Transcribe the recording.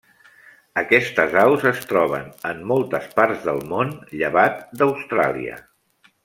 Aquestes aus es troben en moltes parts del món, llevat d'Austràlia.